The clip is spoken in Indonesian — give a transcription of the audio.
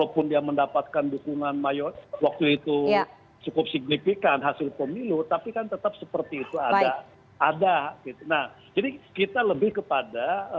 kenapa misalnya nasred